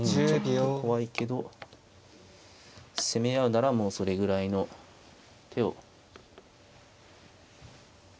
ちょっと怖いけど攻め合うならもうそれぐらいの手を。